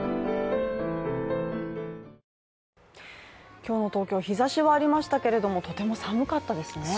今日の東京、日ざしはありましたけれどもとても寒かったですね。